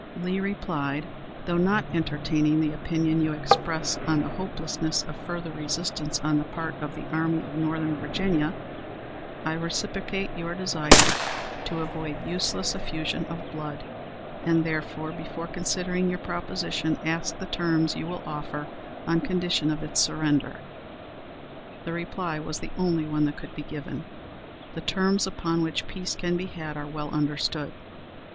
Lee replied, "Though not entertaining the opinion you express on the hopelessness of further resistance on the part of the Army of Northern Virginia, I reciprocate your desire to avoid useless effusion of blood, and therefore, before considering your proposition, ask the terms you will offer on condition of its surrender." The reply was the only one that could be given. "The terms upon which peace can be had are well understood.